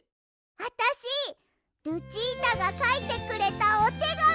あたしルチータがかいてくれたおてがみ